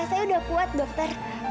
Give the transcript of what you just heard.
saya udah kuat dokter